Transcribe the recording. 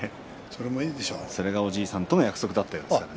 それがおじいさんとの約束だったようです。